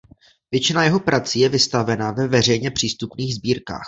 Většina jeho prací je vystavena ve veřejně přístupných sbírkách.